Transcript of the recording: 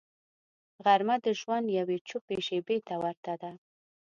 غرمه د ژوند یوې چوپې شیبې ته ورته ده